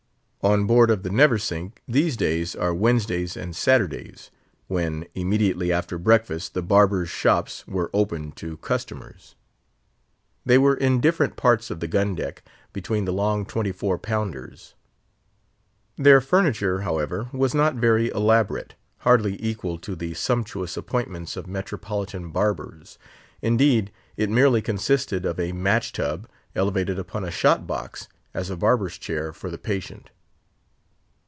On board of the Neversink these days are Wednesdays and Saturdays; when, immediately after breakfast, the barbers' shops were opened to customers. They were in different parts of the gun deck, between the long twenty four pounders. Their furniture, however, was not very elaborate, hardly equal to the sumptuous appointments of metropolitan barbers. Indeed, it merely consisted of a match tub, elevated upon a shot box, as a barber's chair for the patient.